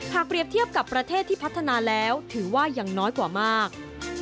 เปรียบเทียบกับประเทศที่พัฒนาแล้วถือว่ายังน้อยกว่ามาก